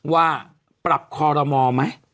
ว่าปรับคอรมอไหม